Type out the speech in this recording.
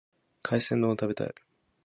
海鮮丼を食べたい。